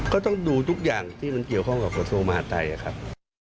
ก็ต้องดูทุกอย่างที่มันเกี่ยวข้องกับกระทรวงมหาดไทยครับ